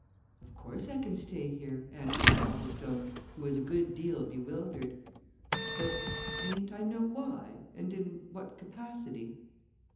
"Of course I can stay here," answered Copplestone, who was a good deal bewildered. "But mayn't I know why and in what capacity?"